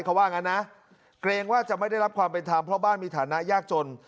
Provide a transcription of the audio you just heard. เขาว่างั้นนะเกรงว่าจะไม่ได้รับความเป็นธรรมเพราะบ้านมีฐานะยากจน